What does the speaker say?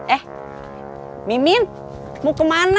eh mimin mau kemana